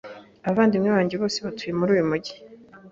Abavandimwe banjye bose batuye muri uyu mujyi.